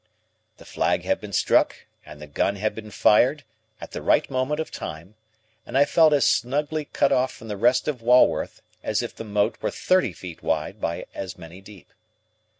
The flag had been struck, and the gun had been fired, at the right moment of time, and I felt as snugly cut off from the rest of Walworth as if the moat were thirty feet wide by as many deep.